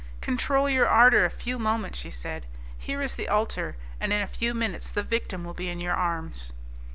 "Control your ardour a few moments," she said, "here is the altar, and in a few minutes the victim will be in your arms."